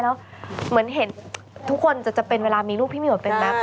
แล้วเหมือนเห็นทุกคนจะเป็นเวลามีลูกพี่เหี่ยวเป็นแบบ